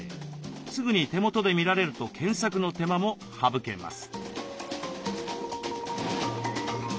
すぐに手元で見られると検索の手間も省けます。